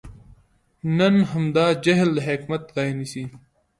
نن همدا جهل د حکمت ځای نیسي.